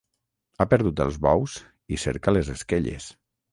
Ha perdut els bous i cerca les esquelles.